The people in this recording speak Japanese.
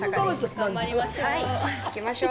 頑張りましょう。